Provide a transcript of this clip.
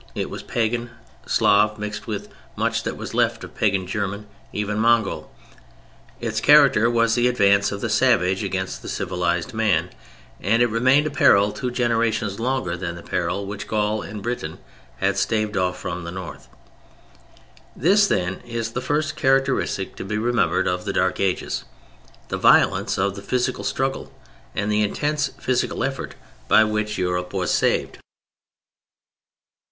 It was Pagan Slav, mixed with much that was left of Pagan German, even Mongol. Its character was the advance of the savage against the civilized man, and it remained a peril two generations longer than the peril which Gaul and Britain had staved off from the North. This, then, is the first characteristic to be remembered of the Dark Ages: the violence of the physical struggle and the intense physical effort by which Europe was saved.